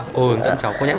cô dẫn cháu cô nhé